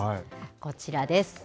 こちらです。